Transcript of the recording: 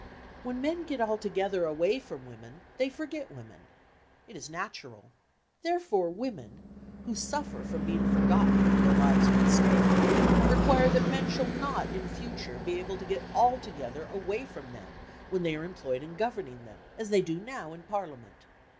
When men get altogether away from women they forget women. It is natural. Therefore women, who suffer from being forgotten when their lives are at stake, require that men shall not in future be able to get altogether away from them when they are employed in governing them, as they do now in Parliament.